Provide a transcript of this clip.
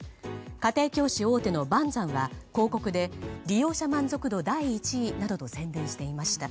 家庭教師大手のバンザンは広告で利用者満足度第１位などと宣伝していました。